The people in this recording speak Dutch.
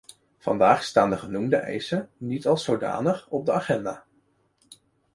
Vandaag staan de genoemde eisen niet als zodanig op de agenda.